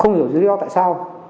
không hiểu dưới đó tại sao